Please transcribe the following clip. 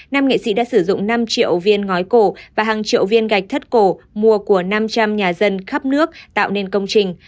nam nghệ sĩ đã sử dụng năm triệu viên ngói cổ và hàng triệu viên gạch thất cổ mua của năm trăm linh nhà dân khắp nước tạo nên công trình